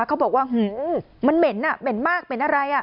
เขาบอกว่ามันเหม็นอ่ะเหม็นมากเหม็นอะไร